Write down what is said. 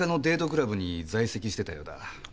クラブに在籍してたようだ。